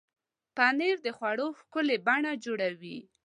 پنېر د خوړو ښکلې بڼه جوړوي.